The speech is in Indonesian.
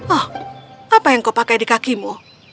oh apa yang kau pakai di kakimu